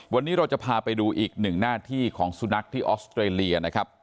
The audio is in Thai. วันนี้เราจะพาไปดูอีกหนึ่งหน้าที่ของสุนัขที่ออสเตรเลียนะครับ